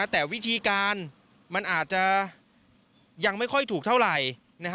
แต่วิธีการมันอาจจะยังไม่ค่อยถูกเท่าไหร่